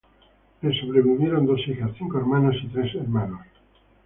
Le sobrevivieron dos hijas, cinco hermanos y tres hermanas.